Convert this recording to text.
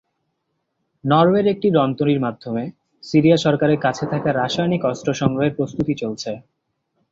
নরওয়ের একটি রণতরির মাধ্যমে সিরিয়া সরকারের কাছে থাকা রাসায়নিক অস্ত্র সংগ্রহের প্রস্তুতি চলছে।